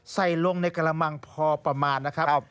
ใส่ลงในกระมังพอประมาณนะครับ